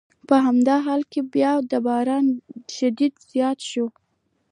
په همدې حال کې بیا د باران شدت زیات شو.